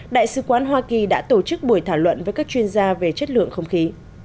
đại sứ quán hoa kỳ đã tổ chức buổi thảo luận với các chuyên gia về chất lượng không khí